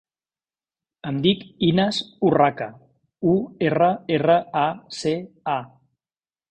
Em dic Inas Urraca: u, erra, erra, a, ce, a.